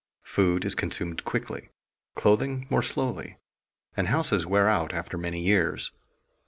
Food is consumed quickly, clothing more slowly, and houses wear out after many years.